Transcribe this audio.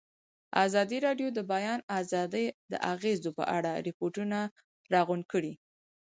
ازادي راډیو د د بیان آزادي د اغېزو په اړه ریپوټونه راغونډ کړي.